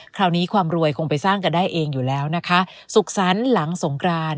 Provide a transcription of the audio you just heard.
ความรวยคงไปสร้างกันได้เองอยู่แล้วนะคะสุขสรรค์หลังสงกราน